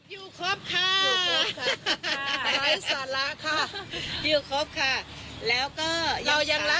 อยู่ครบค่ะ